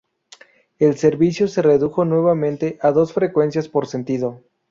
El servicio se redujo nuevamente a dos frecuencias por sentido.